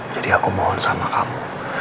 jadi aku mohon sama kamu